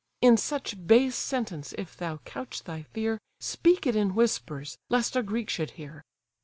In such base sentence if thou couch thy fear, Speak it in whispers, lest a Greek should hear.